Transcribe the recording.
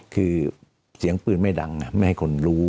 คือเสียงปืนไม่ดังไม่ให้คนรู้